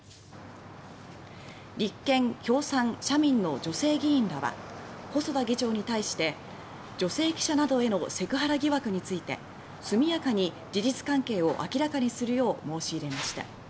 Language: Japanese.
立憲、共産、社民の女性議員らは細田議長に対して女性記者などへのセクハラ疑惑について速やかに事実関係を明らかにするよう申し入れました。